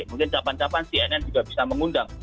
mungkin capan capan cnn juga bisa mengundang